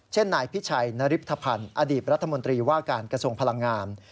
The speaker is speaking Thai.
นายพิชัยนริปธภัณฑ์อดีตรัฐมนตรีว่าการกระทรวงพลังงาน